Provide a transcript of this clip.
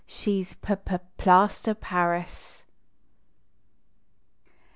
she s p p plaster paris